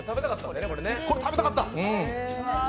これ、食べたかった！